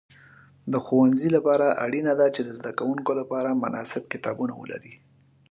د ښوونځي لپاره اړینه ده چې د زده کوونکو لپاره مناسب کتابونه ولري.